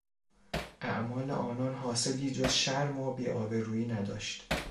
اعمال آنان حاصلی جز شرم و بیآبرویی نداشت.